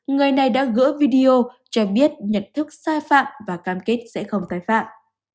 người này đã gỡ video cho biết nhận thức sai phạm và cam kết sẽ không tái phạm